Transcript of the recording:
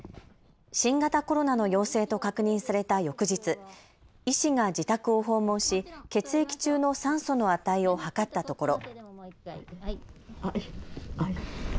新型コロナの陽性と確認された翌日、医師が自宅を訪問し血液中の酸素の値を測ったところ。